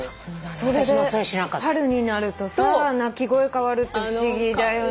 それで春になるとさ鳴き声変わるって不思議だよね。